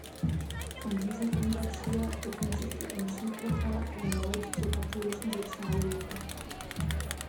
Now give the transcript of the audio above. Von diesem Ansatz her bekennt sich die Enzyklika erneut zur katholischen Soziallehre.